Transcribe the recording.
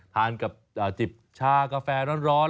ทานกับจิบชากาแฟร้อน